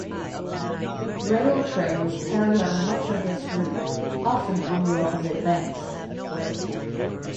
Rail trails parallel much of this route, often on the opposite banks.